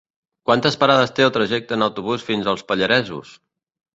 Quantes parades té el trajecte en autobús fins als Pallaresos?